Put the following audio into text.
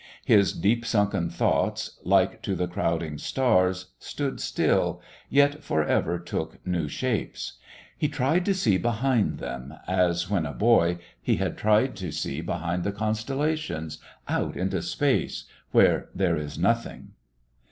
His deep sunken thoughts, like to the crowding stars, stood still, yet for ever took new shapes. He tried to see behind them, as, when a boy, he had tried to see behind the constellations out into space where there is nothing.